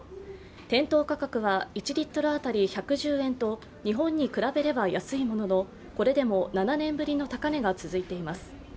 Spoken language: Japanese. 店頭価格は１リットルあたり１１０円と日本に比べれば安いもののこれでも７年ぶりの高値が続いています。